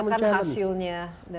merasa itu bukan kewajiban